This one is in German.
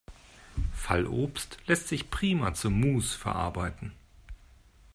Fallobst lässt sich prima zu Muß verarbeiten.